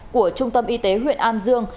của trung tâm y tế huyện an dương